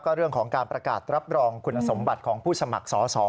เรื่องของการประกาศรับรองคุณสมบัติของผู้สมัครสอสอ